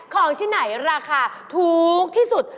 ของที่ไหนราคาถูกที่สุด